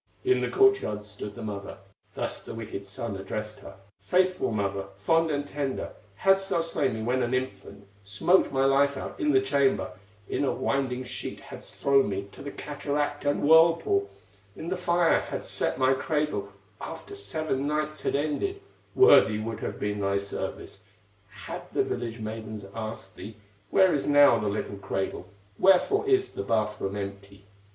In the court yard stood the mother, Thus the wicked son addressed her: "Faithful mother, fond and tender, Hadst thou slain me when an infant, Smoked my life out in the chamber, In a winding sheet hadst thrown me To the cataract and whirlpool, In the fire hadst set my cradle, After seven nights had ended, Worthy would have been thy service. Had the village maidens asked thee: 'Where is now the little cradle, Wherefore is the bath room empty?